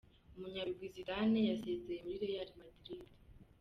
Umunyabigwi Zidane yasezeye muri Real Madrid.